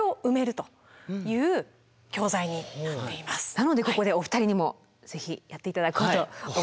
なのでここでお二人にもぜひやって頂こうと思います。